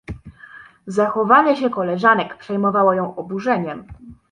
Zachowanie się koleżanek przejmowało ją oburzeniem.